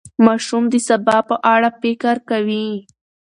ماشوم د سبا په اړه فکر کوي.